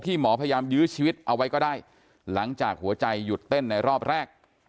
หมอพยายามยื้อชีวิตเอาไว้ก็ได้หลังจากหัวใจหยุดเต้นในรอบแรก